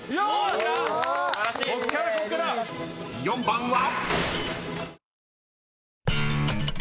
［４番は］